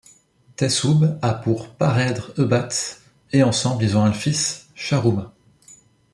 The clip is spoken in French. Teshub a pour parèdre Hebat, et ensemble ils ont un fils, Sharruma.